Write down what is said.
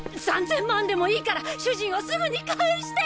３千万でもいいから主人をすぐに返して！